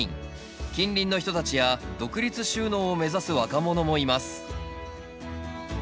近隣の人たちや独立就農を目指す若者もいます